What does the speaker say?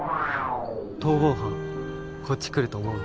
逃亡犯こっち来ると思う？